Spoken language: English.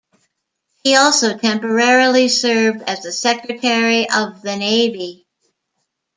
He also temporarily served as the Secretary of the Navy.